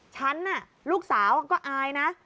ฉันน่ะลูกสาวก็อายนะ